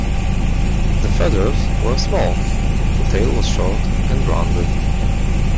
The feathers were small and the tail was short and rounded.